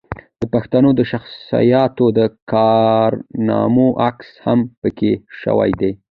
د پښتنو شخصياتو د کارنامو عکاسي هم پکښې شوې ده